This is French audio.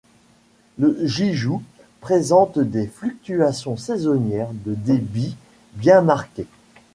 Le Gijou présente des fluctuations saisonnières de débit bien marquées.